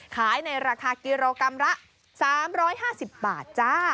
ขายในราคากิโลกรัมละ๓๕๐บาทจ้า